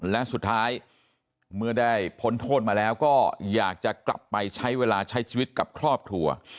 และสุดท้ายเมื่อได้พ้นโทษมาแล้วก็อยากจะกลับไปใช้เวลาใช้ชีวิตกับครอบครัว